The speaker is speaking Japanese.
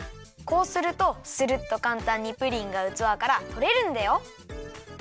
こうするとスルッとかんたんにプリンがうつわからとれるんだよ。